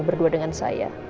berdua dengan saya